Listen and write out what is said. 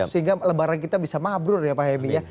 sehingga lebaran kita bisa mabrur ya pak hemi ya